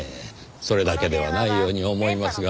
それだけではないように思いますが。